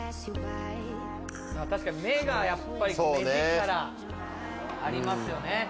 確かに目がやっぱり目力ありますよね。